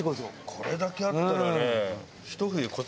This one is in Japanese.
これだけあったらね。